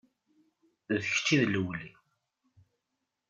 D kečč i d lewli.